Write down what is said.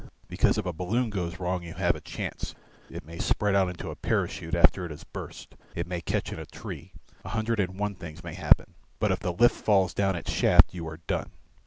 Because if a balloon goes wrong you have a chance, it may spread out into a parachute after it has burst, it may catch in a tree, a hundred and one things may happen, but if the lift falls down its shaft you are done.